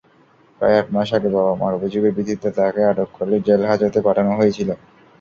প্রায় আটমাস আগে বাবা-মার অভিযোগের ভিত্তিতে তাঁকে আটক করে জেলহাজতে পাঠানো হয়েছিল।